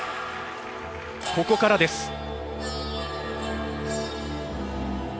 ここからです。